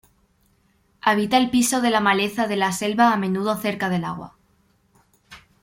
Habita el piso de la maleza de la selva a menudo cerca del agua.